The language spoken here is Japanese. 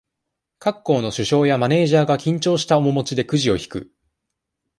各校の、主将や、マネージャーが、緊張した面持ちで、クジを引く。